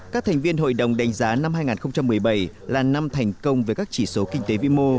các thành viên hội đồng đánh giá năm hai nghìn một mươi bảy là năm thành công với các chỉ số kinh tế vĩ mô